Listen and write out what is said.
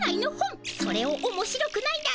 それをおもしろくないなどとは。